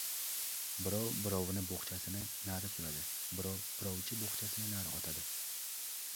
Birov-birovini bo‘xchasini nari suradi. Birov-birovichi bo‘xchasini nari otadi.